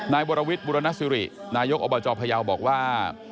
นายบรวรวิสบุรณสิรินายกอบาจอบพยาวบอกว่า